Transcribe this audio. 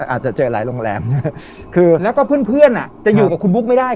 อาจจะเจอหลายโรงแรมคือแล้วก็เพื่อนเพื่อนจะอยู่กับคุณบุ๊กไม่ได้